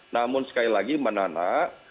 namun sekali lagi menanak